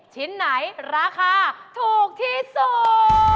ชิ้นที่ราคาที่สุด